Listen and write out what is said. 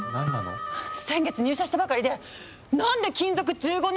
先月入社したばかりで何で勤続１５年の私より高いのよ！